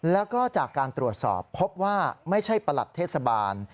แล้วก็จากการตรวจสอบพบว่าไม่ใช่ประหลัดเทศบาล